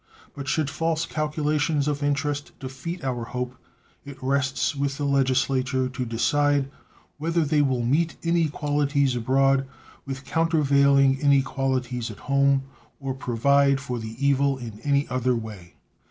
But should false calculations of interest defeat our hope, it rests with the Legislature to decide whether they will meet inequalities abroad with countervailing inequalities at home, or provide for the evil in any other way.